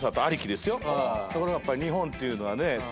ところがやっぱり日本っていうのはね